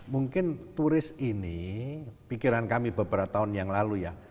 mungkin turis ini pikiran kami beberapa tahun yang lalu ya